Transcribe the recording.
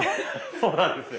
そうなんですよ。